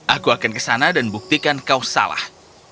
aku akan ke sana dan buktikan kau salah